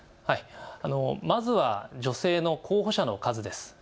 まずは女性の候補者の数です。